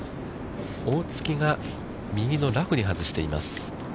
大槻が右のラフに外しています。